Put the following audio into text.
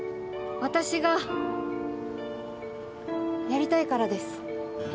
私がやりたいからです。